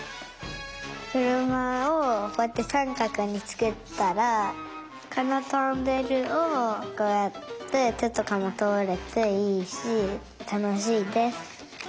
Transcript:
くるまをこうやってさんかくにつくったらこのトンネルをこうやっててとかもとおれていいしたのしいです！